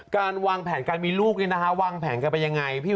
การวางแผนที่การมีลูกเนี่ยนะคะวางแผนกันไปอย่างไร